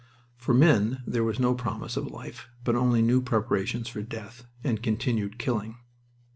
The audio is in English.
For men there was no promise of life, but only new preparations for death, and continued killing.